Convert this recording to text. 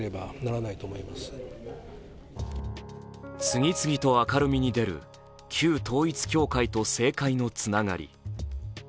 次々と明るみに出る旧統一教会と政界のつながり。